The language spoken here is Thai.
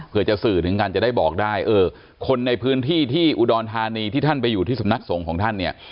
เพื่อจะสื่อถึงกันจะได้บอกได้เออคนในพื้นที่ที่อุดรธานีที่ท่านไปอยู่ที่สำนักสงฆ์ของท่านเนี่ย